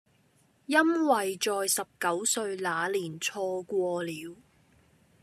因為在十九歲那年錯過了